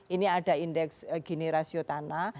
ini ada indeks generasio tanah